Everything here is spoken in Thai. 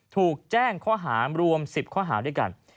ถูกแจ้งข้อหารวม๑๐ข้อหาด้วยกัน